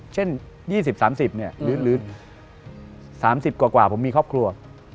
๒๐๓๐หรือ๓๐กว่าผมมีครอบครัว